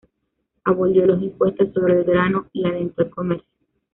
Abolió los impuestos sobre el grano y alentó el comercio.